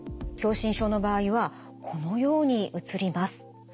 狭心症の場合はこのように写ります。